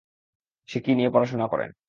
সে কী নিয়ে পড়াশুনা করে?